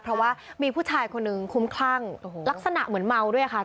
เพราะว่ามีผู้ชายคนหนึ่งคุ้มคลั่งลักษณะเหมือนเมาด้วยค่ะ